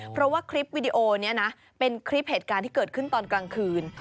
เพราะว่าคลิปวิดีโอนี้นะเป็นคลิปเหตุการณ์ที่เกิดขึ้นตอนกลางคืน